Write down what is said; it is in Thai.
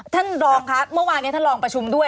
ท่านรองค่ะเมื่อวานนี้ท่านลองประชุมด้วย